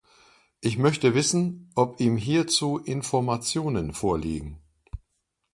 Ich möchte wissen, ob ihm hierzu Informationen vorliegen.